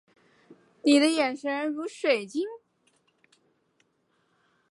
你的眼神如水晶莹